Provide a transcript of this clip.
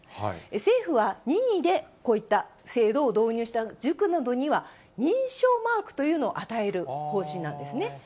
政府は任意でこういった制度を導入した塾などには、認証マークというのを与える方針なんですね。